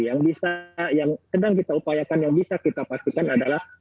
yang bisa yang sedang kita upayakan yang bisa kita pastikan adalah